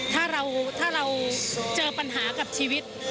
ถ้าเราเจอปัญหากับชีวิต